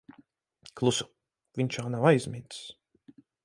Klusu. Viņš vēl nav aizmidzis.